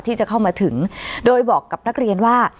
ที่จะเข้ามาถึงโดยบอกกับนักเรียนว่า